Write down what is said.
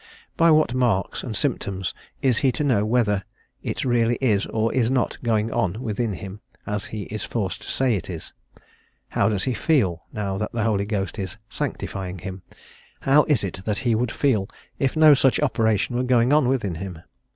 By what marks and symptoms is he to know whether it really is or is not going on within him, as he is forced to> say it is? How does he feel, now that the Holy Ghost is sanctifying him? How is it that he would feel, if no such operation were going on within him?